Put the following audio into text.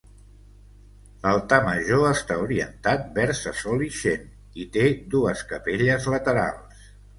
L'altar major està orientat vers a sol ixent i té dues capelles laterals.